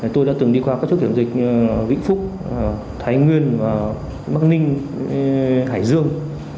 tôi đã từng đi qua các chốt kiểm dịch vĩnh phúc thái nguyên và bắc ninh hải dương